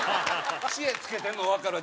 知恵つけてるのわかるわ。